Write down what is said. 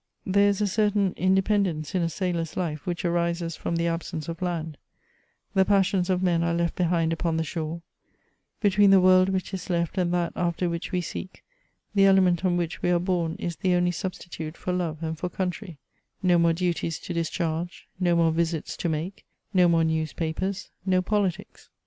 There is a certain independence in a sailor's life which arises from the absence of land ; the passions of men are left behind upon the shore; between the world which is left and that after which we seek, the element on which we are borne is the only substitute for love and for country ; no more duties to discharge, no more visits to make, no more newspapers, no politics.